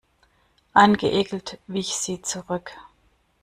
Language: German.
Angeekelt wich sie zurück.